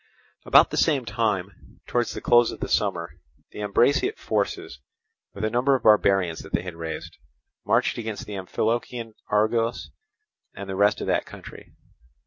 About the same time towards the close of the summer, the Ambraciot forces, with a number of barbarians that they had raised, marched against the Amphilochian Argos and the rest of that country.